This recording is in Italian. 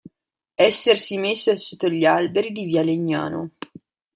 Essersi messo sotto gli alberi di via Legnano.